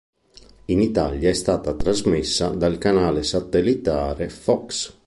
In Italia è stata trasmessa dal canale satellitare Fox.